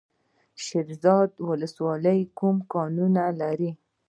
د شیرزاد ولسوالۍ کوم کانونه لري؟